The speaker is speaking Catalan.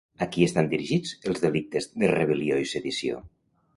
A qui estan dirigits els delictes de rebel·lió i sedició?